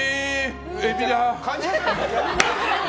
エビだ。